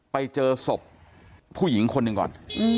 ไปเจอศพผู้หญิงคนหนึ่งก่อน